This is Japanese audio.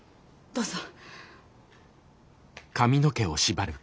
どうぞ。